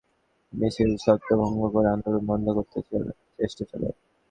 Police প্রচণ্ড দমননীতির মাধ্যমে মিছিল ছত্রভঙ্গ করে আন্দোলন বন্ধ করতে চেষ্টা চালায়।